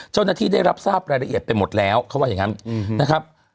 ได้รับทราบรายละเอียดไปหมดแล้วเขาว่าอย่างนั้นนะครับ